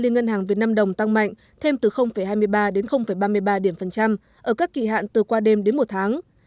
ngân hàng việt nam đồng tăng mạnh thêm từ hai mươi ba đến ba mươi ba điểm phần trăm ở các kỳ hạn từ qua đêm đến một tháng